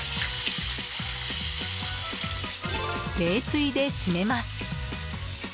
冷水で締めます。